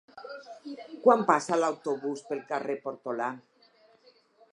Quan passa l'autobús pel carrer Portolà?